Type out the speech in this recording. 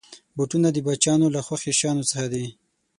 بوټونه د بچیانو له خوښې شيانو څخه دي.